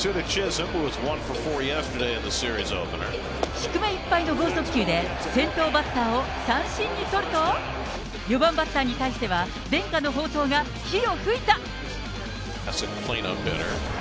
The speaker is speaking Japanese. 低めいっぱいの剛速球で先頭バッターを三振に取ると、４番バッターに対しては、伝家の宝刀が火を噴いた。